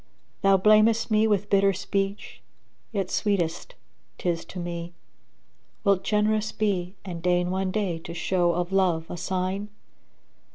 Thou blamest me with bitter speech yet sweetest 'tis to me; * Wilt generous be and deign one day to show of love a sign?